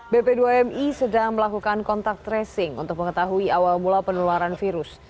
bp dua mi sedang melakukan kontak tracing untuk mengetahui awal mula penularan virus